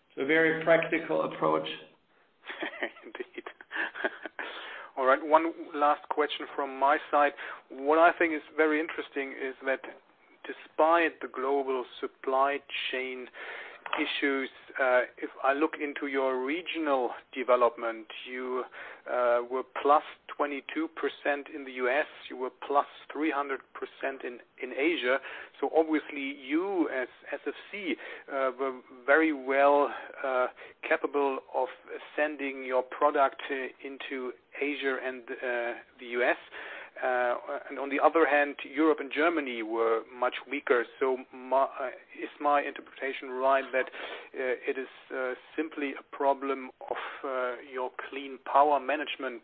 It's a very practical approach. Indeed. All right, one last question from my side. What I think is very interesting is that despite the global supply chain issues, if I look into your regional development, you were +22% in the U.S., you were +300% in Asia. Obviously, you as a CEO were very well capable of sending your product into Asia and the U.S. On the other hand, Europe and Germany were much weaker. Is my interpretation right that it is simply a problem of your Clean Power Management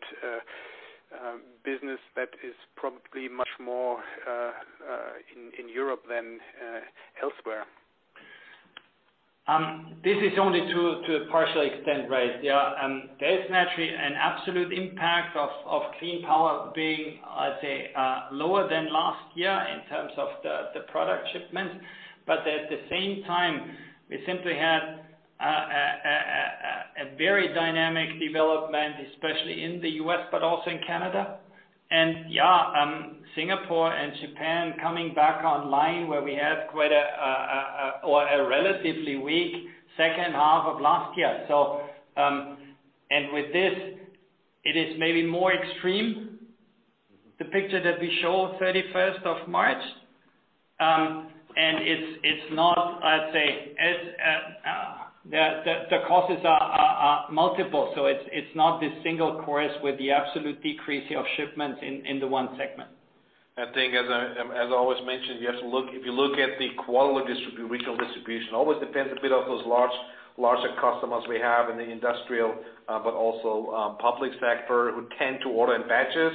business that is probably much more in Europe than elsewhere? This is only to a partial extent, right. Yeah. There is naturally an absolute impact of Clean Power being, I'd say, lower than last year in terms of the product shipment. At the same time, we simply had a very dynamic development, especially in the U.S., but also in Canada. Singapore and Japan coming back online where we had quite a relatively weak second half of last year. With this, it is maybe more extreme, the picture that we show 31st of March. It's not, I'd say, the causes are multiple, so it's not this single cause with the absolute decrease here of shipments in the one segment. I think as I always mention, you have to look if you look at the regional distribution. It always depends a bit on those larger customers we have in the industrial, but also public sector who tend to order in batches.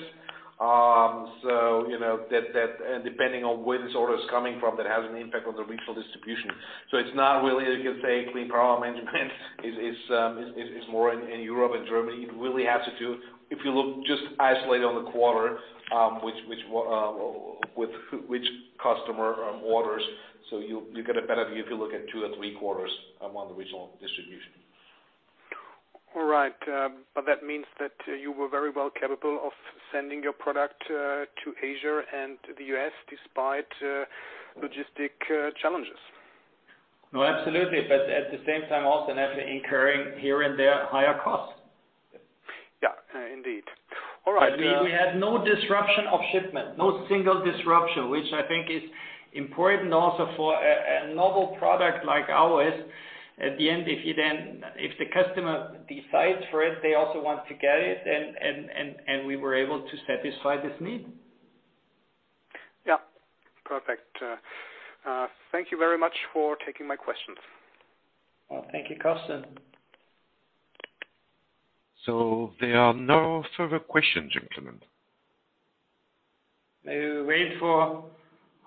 You know, that and depending on where this order is coming from, that has an impact on the regional distribution. It's not really. You can say Clean Power Management is more in Europe and Germany. It really has to do if you look just isolated on the quarter, with which customer orders. You'll get a better view if you look at two or three quarters among the regional distribution. All right. That means that you were very well capable of sending your product to Asia and to the U.S. despite logistical challenges. No, absolutely. At the same time, also naturally incurring here and there higher costs. Yeah, indeed. All right. We had no disruption of shipment, no single disruption, which I think is important also for a novel product like ours. At the end, if the customer decides for it, they also want to get it and we were able to satisfy this need. Yeah. Perfect. Thank you very much for taking my questions. Well, thank you, Karsten. There are no further questions, gentlemen. Maybe we wait for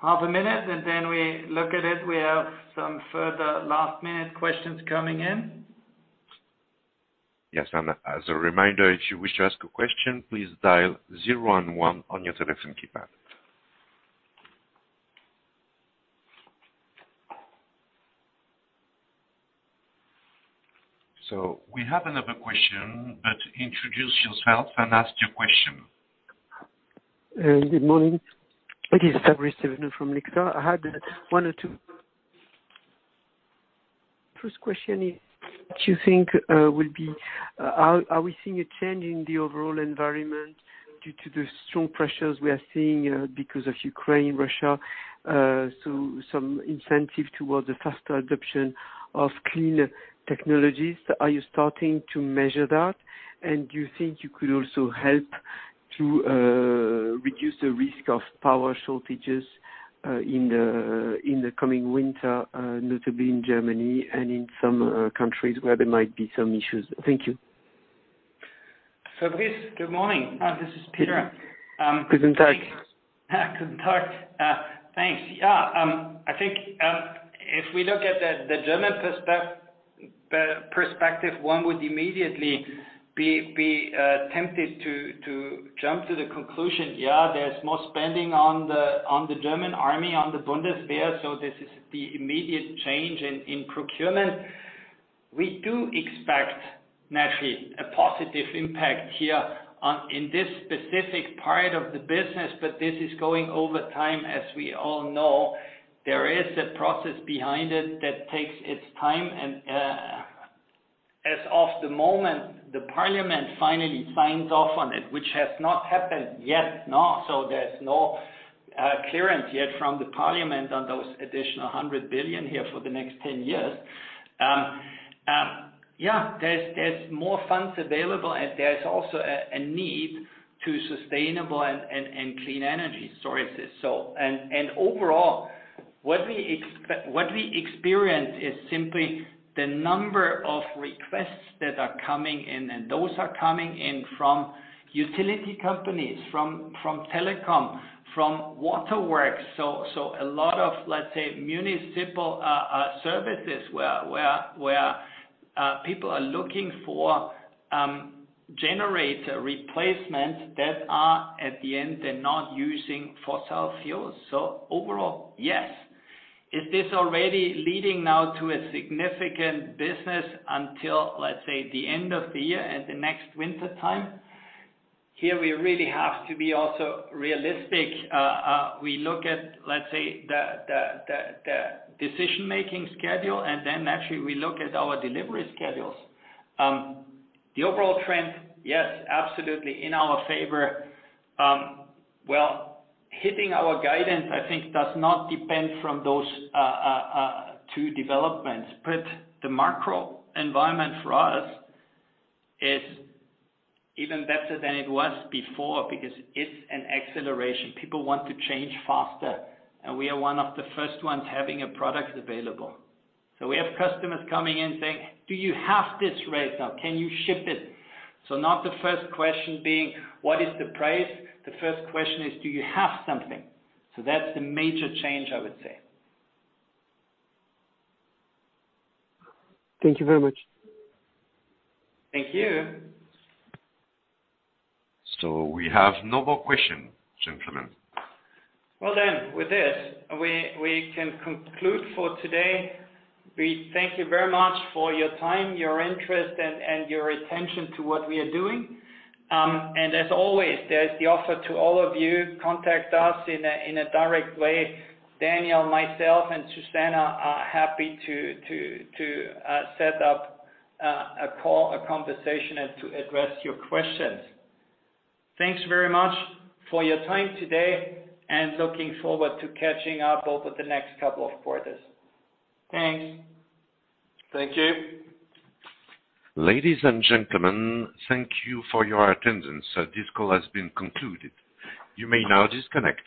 half a minute, and then we look at it. We have some further last-minute questions coming in. Yes. As a reminder, if you wish to ask a question, please dial zero one one on your telephone keypad. We have another question, but introduce yourself and ask your question. Good morning. It is Fabrice Stéphan from Luxcara. First question is, are we seeing a change in the overall environment due to the strong pressures we are seeing because of Ukraine, Russia, so some incentive towards the faster adoption of clean technologies? Are you starting to measure that? Do you think you could also help to reduce the risk of power shortages in the coming winter, notably in Germany and in some countries where there might be some issues? Thank you. Fabrice, good morning. This is Peter. Good day. Good day. I think, if we look at the German perspective, one would immediately be tempted to jump to the conclusion, yeah, there's more spending on the German army, on the Bundeswehr, so this is the immediate change in procurement. We do expect naturally a positive impact here in this specific part of the business, but this is going over time, as we all know. There is a process behind it that takes its time. As of the moment, the parliament finally signs off on it, which has not happened yet. No. So there's no clearance yet from the parliament on those additional 100 billion here for the next 10 years. There's more funds available, and there's also a need for sustainable and clean energy sources. Overall, what we experience is simply the number of requests that are coming in, and those are coming in from utility companies, from telecom, from waterworks. A lot of, let's say, municipal services where people are looking for generator replacements that are at the end and not using fossil fuels. Overall, yes. Is this already leading now to a significant business until, let's say, the end of the year and the next wintertime? Here we really have to be also realistic. We look at, let's say, the decision-making schedule, and then naturally we look at our delivery schedules. The overall trend, yes, absolutely in our favor. Well, hitting our guidance, I think, does not depend from those two developments. The macro environment for us is even better than it was before because it's an acceleration. People want to change faster, and we are one of the first ones having a product available. We have customers coming in saying, "Do you have this right now? Can you ship it?" Not the first question being what is the price? The first question is, do you have something? That's the major change, I would say. Thank you very much. Thank you. We have no more questions, gentlemen. Well then, with this, we can conclude for today. We thank you very much for your time, your interest and your attention to what we are doing. As always, there's the offer to all of you. Contact us in a direct way. Daniel, myself, and Susan are happy to set up a call, a conversation, and to address your questions. Thanks very much for your time today, and looking forward to catching up over the next couple of quarters. Thanks. Thank you. Ladies and gentlemen, thank you for your attendance. This call has been concluded. You may now disconnect.